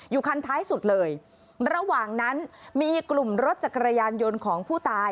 คันท้ายสุดเลยระหว่างนั้นมีกลุ่มรถจักรยานยนต์ของผู้ตาย